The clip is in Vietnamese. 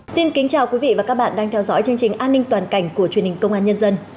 xin kính chào quý vị và các bạn đang theo dõi chương trình an ninh toàn cảnh của truyền hình công an nhân dân